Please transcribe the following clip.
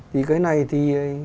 thì cái này thì